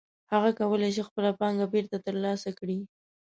هغه کولی شي خپله پانګه بېرته ترلاسه کړي